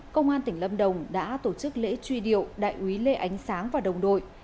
công an tỉnh lâm đồng đã tổ chức lễ truy điệu đại úy lê ánh sáng và đồng đội